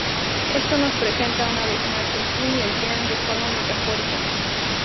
Esto nos presenta una vez más el Yin y el Yang de forma metafórica.